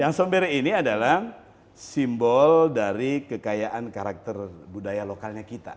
yang sombere ini adalah simbol dari kekayaan karakter budaya lokalnya kita